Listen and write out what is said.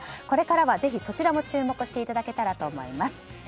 これからはぜひそちらも注目していただけたらと思います。